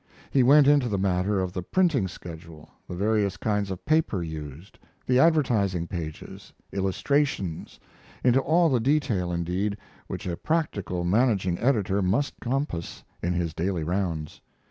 He went into the matter of the printing schedule, the various kinds of paper used, the advertising pages, illustrations into all the detail, indeed, which a practical managing editor must compass in his daily rounds.